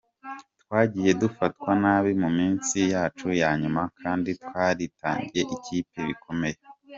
Twagiye dufatwa nabi mu minsi yacu ya nyuma kandi twaritangiye iyi kipe bikomeye.